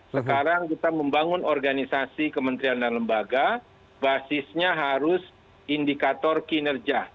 sekarang kita membangun organisasi kementerian dan lembaga basisnya harus indikator kinerja